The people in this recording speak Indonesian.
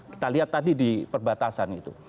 kita lihat tadi di perbatasan gitu